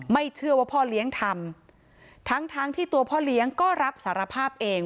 ไม่เชื่อว่าพ่อเลี้ยงทำทั้งทั้งที่ตัวพ่อเลี้ยงก็รับสารภาพเอง